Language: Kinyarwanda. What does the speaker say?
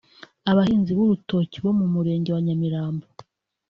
Abahinzi b’urutoki bo mu Murenge wa Nyamirambo